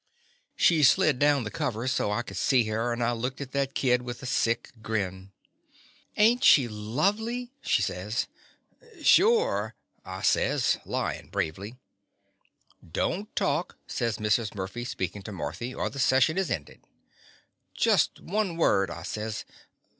She slid down the covers so I could see her, and I looked at that kid with a sick grin. "Ain*t she lovely?" she says. "Sure !" I sajrs, lying bravely. "Don't talk," says Mrs. Murphy, spcakin* to Marthy, "or the session is ended." "Just one word," I says.